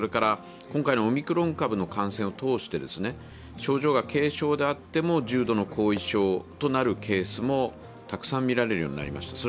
今回のオミクロン株の感染を通して、症状が軽症であっても重度の後遺症となるケースもたくさん見られるようになりました。